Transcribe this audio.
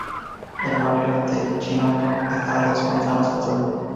El barrio de Chinatown está a dos manzanas al sur.